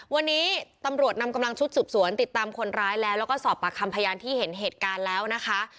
วันนี้ตำรวจนำกำลังชุดสืบสวนติดตามคนร้ายแล้วแล้วก็สอบปากคำพยานที่เห็นเหตุการณ์แล้วนะคะ